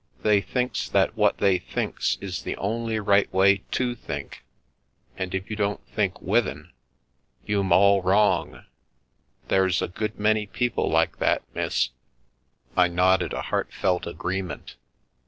They thinks that what they thinks is the only right way to think, and if you don't think wi' 'en, you'm all wrong. There's a good many people like that, miss." I nodded a heartfelt agreement.